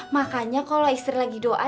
makanya kalau istri lagi doa